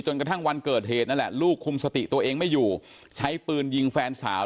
กระทั่งวันเกิดเหตุนั่นแหละลูกคุมสติตัวเองไม่อยู่ใช้ปืนยิงแฟนสาว